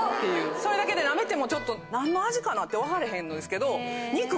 それだけでなめても何の味かな？って分かれへんのですけど。